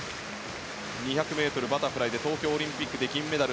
２００ｍバタフライで東京オリンピックで金メダル。